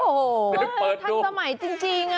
โอ้โฮทั้งสมัยจริงน่ะโอ้โฮได้เปิดดู